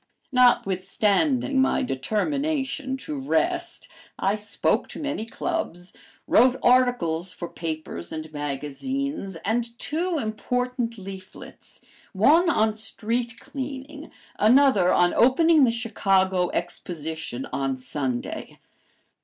Notwithstanding my determination to rest, I spoke to many clubs, wrote articles for papers and magazines, and two important leaflets, one on "Street Cleaning," another on "Opening the Chicago Exposition on Sunday."